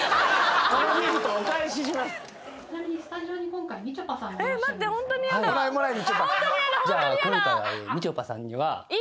今回はみちょぱさんには。